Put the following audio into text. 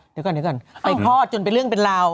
เดี๋ยวก่อนไปคลอดจนเป็นเรื่องเป็นราว